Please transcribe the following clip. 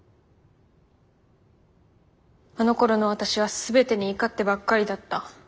あのころの私は全てに怒ってばっかりだった。